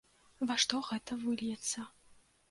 Ва што гэта выльецца?